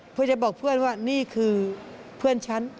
เพื่อจะบอกเพื่อนว่านี่คือเพื่อนฉัน